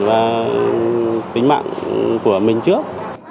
và tính mạng của mình trước